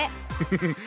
フフフ。